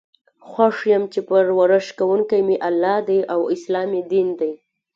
خوښ یم چې پر ورش کوونکی می الله دی او اسلام می دین دی.